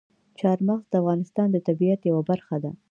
چار مغز د افغانستان د طبیعت یوه برخه ده.